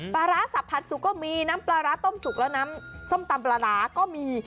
ปลาร้าสับผัดสุกก็มีน้ำปลาร้าต้มสุกแล้วน้ำส้มตำปลาร้าก็มี